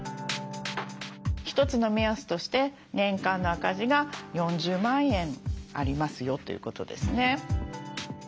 一つの目安として年間の赤字が４０万円ありますよということですね。